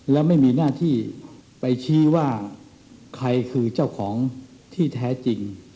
และไม่มีหน้าที่ไปชี้ว่าใครคือเจ้าของที่แท้จริง